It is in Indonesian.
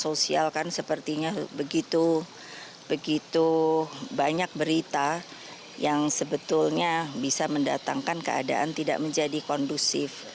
sosial kan sepertinya begitu banyak berita yang sebetulnya bisa mendatangkan keadaan tidak menjadi kondusif